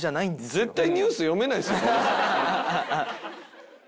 絶対ニュース読めないっすよ馬場さん。